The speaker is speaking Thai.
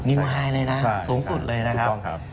นิวไลน์เลยนะสูงสุดเลยนะครับ